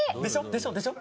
でしょでしょ！